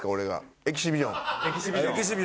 エキシビション。